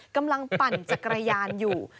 กำลังปั่นจักรยานอยู่